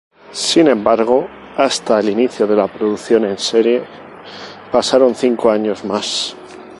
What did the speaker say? Sin embargo, hasta el inicio de la producción en serie pasaron cinco años más.